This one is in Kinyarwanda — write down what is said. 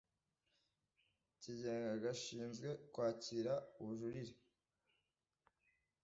kigenga gashinzwe kwakira ubujurire